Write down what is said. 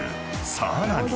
［さらに］